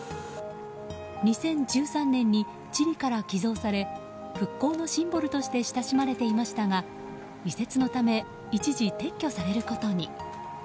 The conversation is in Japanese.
２０１３年にチリから寄贈され復興のシンボルとして親しまれていましたが移設のため一時撤去されることに。